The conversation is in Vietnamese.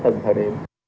ở từng thời điểm